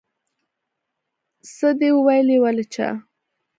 آ څه دې وويلې ولې چا.